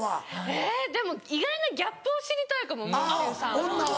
えぇでも意外なギャップを知りたいかももう中さんは。